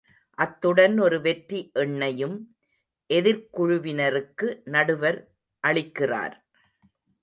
அத்துடன் ஒரு வெற்றி எண்ணையும் எதிர்க்குழுவினருக்கு நடுவர் அளிக்கிறார்.